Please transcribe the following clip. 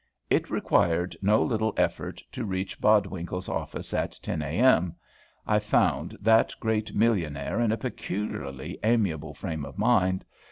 It required no little effort to reach Bodwinkle's office at 10 A.M. I found that great millionaire in a peculiarly amiable frame of mind.